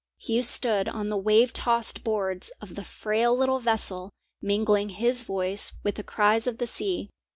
He stood on the wave tossed boards of the frail little vessel, mingling his voice with the cries of the sea.